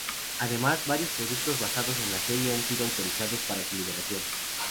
Además, varios productos basados en la serie han sido autorizados para su liberación.